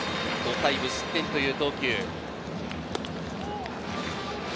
５回無失点という投球。